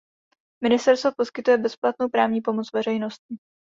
Ministerstvo poskytuje bezplatnou právní pomoc veřejnosti.